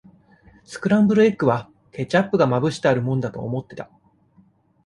スクランブルエッグは、ケチャップがまぶしてあるもんだと思ってた。